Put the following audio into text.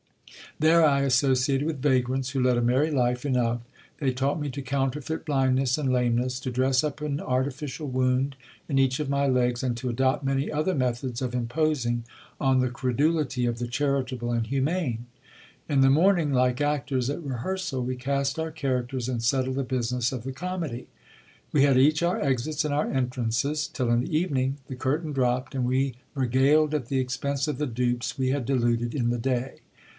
There I associated with vagrants, who led a merry life enough. They taught me to counterfeit blindness and lameness, to dress up an artificial wound in each of my legs, and to adopt many other methods of im posing on the credulity of the charitable and humane. In the morning, like actors at rehearsal, we cast our characters, and settled the business of the comedy. We had each our exits and our entrances ; till in the evening the curtain dropped, and we regaled at the expense of the dupes we had deluded in the day.